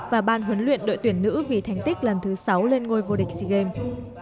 và ban huấn luyện đội tuyển nữ vì thành tích lần thứ sáu lên ngôi vô địch sea games